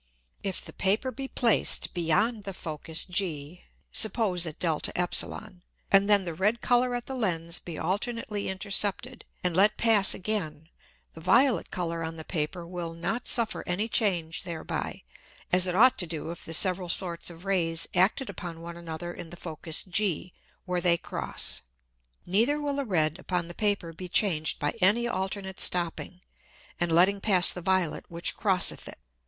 ] If the Paper be placed beyond the Focus G, suppose at [Greek: de], and then the red Colour at the Lens be alternately intercepted, and let pass again, the violet Colour on the Paper will not suffer any Change thereby, as it ought to do if the several sorts of Rays acted upon one another in the Focus G, where they cross. Neither will the red upon the Paper be changed by any alternate stopping, and letting pass the violet which crosseth it.